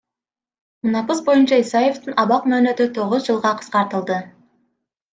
Мунапыс боюнча Исаевдин абак мөөнөтү тогуз жылга кыскартылды.